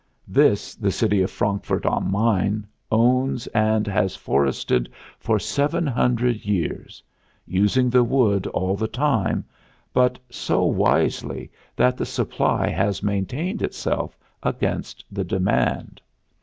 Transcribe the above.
This the city of Frankfurt am Main owns and has forested for seven hundred years; using the wood all the time, but so wisely that the supply has maintained itself against the demand.